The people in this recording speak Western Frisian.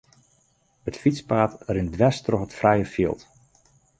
It fytspaad rint dwers troch it frije fjild.